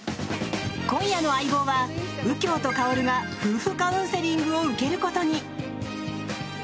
今夜の「相棒」は右京と薫が夫婦カウンセリングを受けることに。